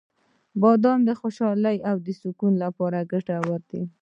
• بادام د خوشحالۍ او سکون لپاره ګټور دي.